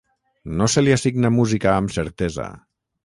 No se li assigna música amb certesa.